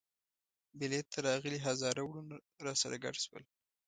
مېلې ته راغلي هزاره وروڼه راسره ګډ شول.